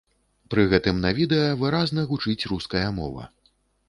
Пры гэтым на відэа выразна гучыць руская мова.